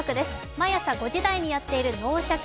毎朝５時台にやっている「脳シャキ！